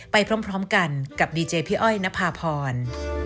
ไปพร้อมกันกับดีเจพี่อ้อยนภาพร